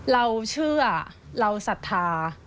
เราเชื่อเราศรัทธา